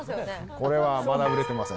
これはまだ売れてません。